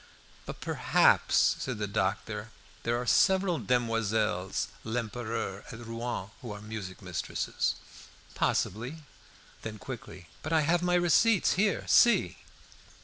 "But perhaps," said the doctor, "there are several Demoiselles Lempereur at Rouen who are music mistresses." "Possibly!" Then quickly "But I have my receipts here. See!"